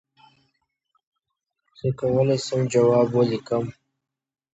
زه کولای سم ځواب وليکم؟!؟!